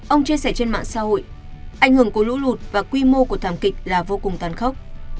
ông chia sẻ trên mạng xã hội ảnh hưởng của lũ lụt và quy mô của thảm kịch là vô cùng tàn khốc